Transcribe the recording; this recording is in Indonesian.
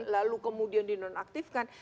lalu kemudian di nonaktifkan